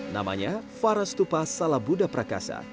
namanya farastupa salabuddha prakasa